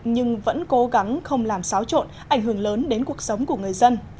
nhưng vẫn cố gắng không làm xáo trộn ảnh hưởng lớn đến cuộc sống của người dân